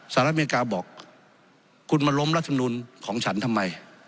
สหรัฐอเมริกาบอกคุณมาล้มรัฐมนุนของฉันทำไม